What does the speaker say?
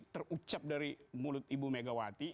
terucap dari mulut ibu megawati